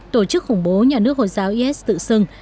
tổ chức khủng bố nhà nước hồi giáo is tự xưng